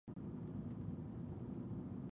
د فساد پر وړاندې مبارزه وکړئ.